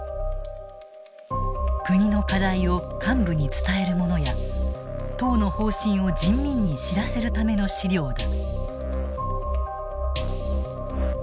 国の課題を幹部に伝えるものや党の方針を人民に知らせるための資料だ。